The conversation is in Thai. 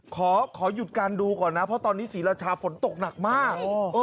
ขอหยุดการดูก่อนนะเพราะตอนนี้ศรีราชาฝนตกหนักมาก